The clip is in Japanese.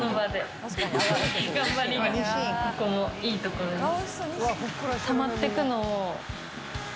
ここのいいところです。